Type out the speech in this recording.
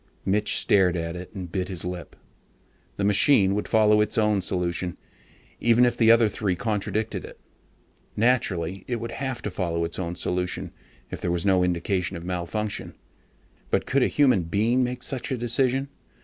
Mitch stared at it and bit his lip. The machine would follow its own solution, even if the other three contradicted it. Naturally it would have to follow its own solution, if there was no indication of malfunction. But could a human being make such a decision?